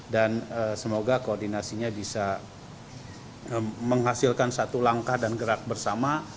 semoga koordinasinya bisa menghasilkan satu langkah dan gerak bersama